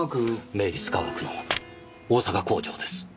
明律化学の大阪工場です。